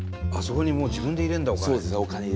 あそこにもう自分で入れるんだお金。